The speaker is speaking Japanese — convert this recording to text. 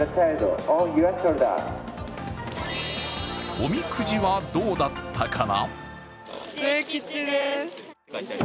おみくじはどうだったかな？